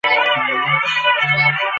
Wow, তোমাকে চমৎকার লাগছে।